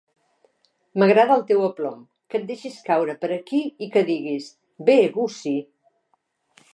M"agrada el teu aplom, que et deixis caure per aquí i que diguis "Bé, Gussie".